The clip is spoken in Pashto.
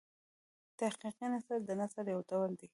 تحقیقي نثر د نثر یو ډول دﺉ.